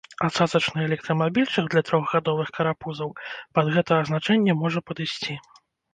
А цацачны электрамабільчык для трохгадовых карапузаў пад гэта азначэнне можа падысці.